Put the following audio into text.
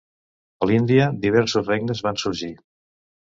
A l'Índia, diversos regnes van sorgir.